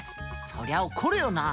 そりゃ怒るよな。